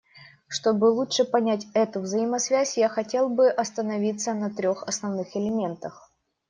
Чтобы лучше понять эту взаимосвязь, я хотел бы остановиться на трех основных элементах.